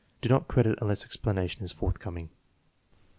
Do not credit unless explanation is forthcoming.